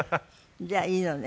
じゃあいいのね。